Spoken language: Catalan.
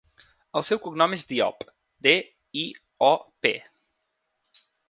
El seu cognom és Diop: de, i, o, pe.